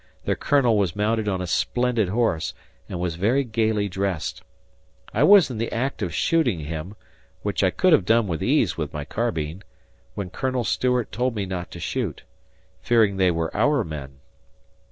Their Colonel was mounted on a splendid horse and was very gaily dressed. I was in the act of shooting him, which I could have done with ease with my carbine, when Col. Stewart told me not to shoot, fearing they were our men.